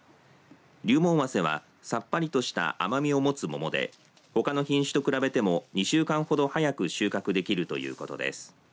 竜門早生は、さっぱりとした甘みを持つ桃でほかの品種と比べても２週間ほど早く収穫できるということです。